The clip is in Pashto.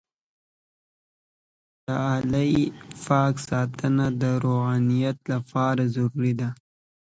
د غالۍ پاک ساتنه د روغتیا لپاره ضروري ده.